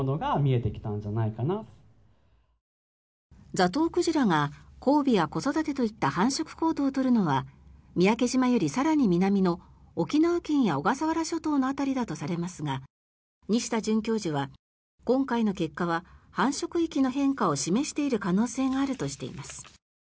ザトウクジラが交尾や子育てといった繁殖行動を取るのは三宅島より更に南の沖縄県や小笠原諸島の辺りだとされますが西田准教授は今回の結果は繁殖域の変化を示している可能性があるとしています。